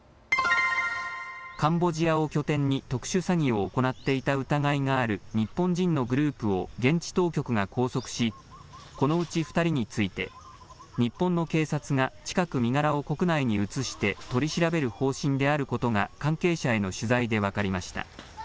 カンボジアを拠点に特殊詐欺を行っていた疑いがある日本人のグループを現地当局が拘束しこのうち２人について日本の警察が近く身柄を国内に移して取り調べる方針であることが関係者への取材で分かりました。